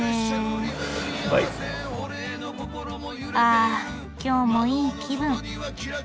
あ今日もいい気分。